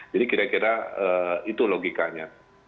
jadi kira kira itu logikanya